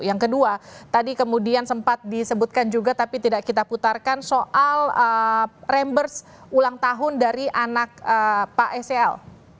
yang kedua tadi kemudian sempat disebutkan juga tapi tidak kita putarkan soal rambers ulang tahun dari anak pak sel